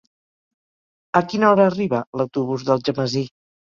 A quina hora arriba l'autobús d'Algemesí?